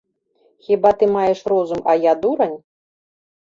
Хіба ты маеш розум, а я дурань?